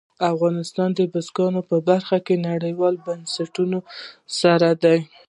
افغانستان د بزګانو په برخه کې نړیوالو بنسټونو سره دی.